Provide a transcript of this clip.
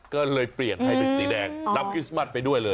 ก็เลยเปลี่ยนให้เป็นสีแดงนำคริสต์มัสไปด้วยเลย